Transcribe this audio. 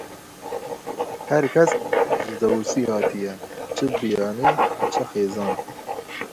Her kes ji Zeûsî hatiye, çi biyanî, çi xêzan.